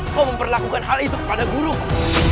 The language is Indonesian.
kau memperlakukan hal itu kepada guruku